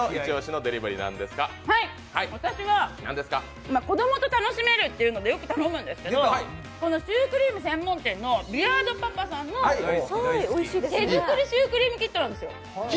私は子供と楽しめるというので、よく頼むんですけどシュークリーム専門店のビアードパパさんの手作りシュークリームキットなんですよ。